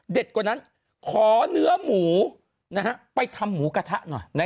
กว่านั้นขอเนื้อหมูนะฮะไปทำหมูกระทะหน่อย